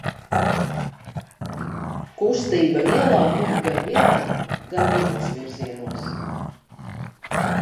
Kustība ielā norit gan vienā, gan divos virzienos.